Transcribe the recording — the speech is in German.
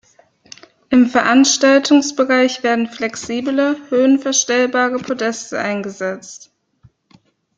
Im Veranstaltungsbereich werden flexible, höhenverstellbare Podeste eingesetzt.